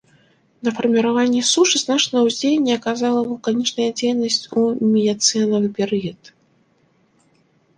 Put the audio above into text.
На фарміраванне сушы значнае ўздзеянне аказала вулканічная дзейнасць у міяцэнавы перыяд.